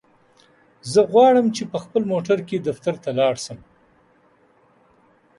زه غواړم چی په خپل موټرکی دفترته لاړشم.